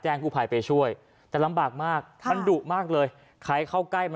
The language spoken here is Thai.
แจ้งผู้ผ่ายไปช่วยจะลำบากมากขั้นดุมากเลยใครเข้าใกล้มากเลยแล้ว